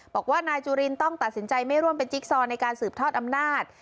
บอกว่านายจุลินต้องตัดสินใจไม่ร่วมเป็นจิ๊กซอในการสืบทอดอำนาจ